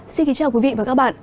xin kính chào quý vị và các bạn